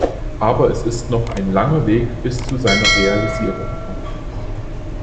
Aber es ist noch ein langer Weg bis zu seiner Realisierung.